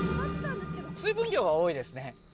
水分量は多いですね